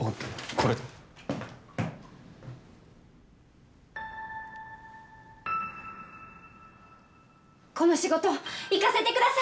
これこの仕事行かせてください！